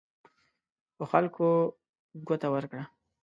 خو خلکو ګوته ورکړه.